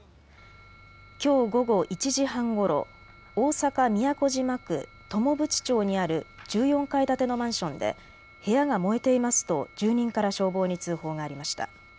きょう午後１時半ごろ大阪都島区友渕町にある１４階建てのマンションで部屋が燃えていますと住人から消防に通報がありました。